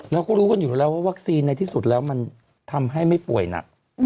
เราก็รู้กันอยู่แล้วว่าวัคซีนในที่สุดแล้วมันทำให้ไม่ป่วยหนัก